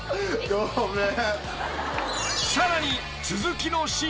ごめん。